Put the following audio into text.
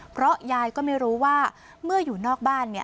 เพราะยายก็ไม่รู้ว่าเมื่ออยู่นอกบ้านเนี่ย